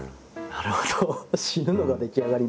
なるほど。